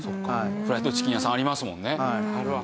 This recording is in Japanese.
フライドチキン屋さんありますもんね。